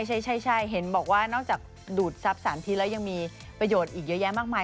ใช่เห็นบอกว่านอกจากดูดทรัพย์๓ทีแล้วยังมีประโยชน์อีกเยอะแยะมากมาย